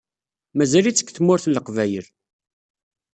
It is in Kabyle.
Mazal-itt deg Tmurt n Leqbayel.